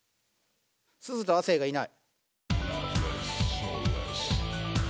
すずと亜生がいない。